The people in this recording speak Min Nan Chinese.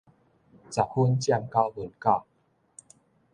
十分佔九分九